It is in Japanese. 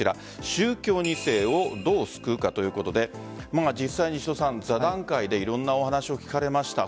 宗教２世をどう救うかということで実際に座談会でいろんなお話を聞かれました。